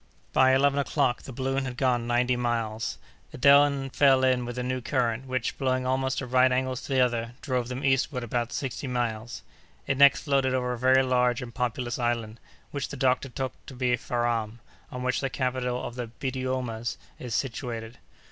By eleven o'clock the balloon had gone ninety miles. It then fell in with a new current, which, blowing almost at right angles to the other, drove them eastward about sixty miles. It next floated over a very large and populous island, which the doctor took to be Farram, on which the capital of the Biddiomahs is situated.